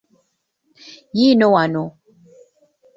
Yiino wano!